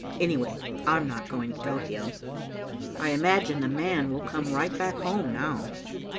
Anyway, I'm not going to Tokio. I imagine 'the man' will come right back home now."